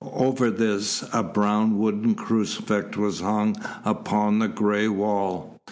Over this a brown wooden crucifix was hung upon the gray wall.